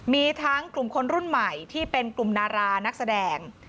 มีทั้งกลุ่มคนรุ่นใหม่ที่เป็นกลุ่มดารานักแสดง